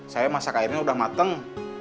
saya masak airnya udah mateng